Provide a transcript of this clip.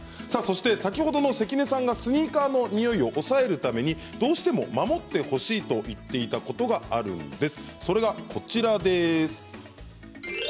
先ほど関根さんがスニーカーのにおいを抑えるためにどうしても守ってほしいと言っていたことがあるんです。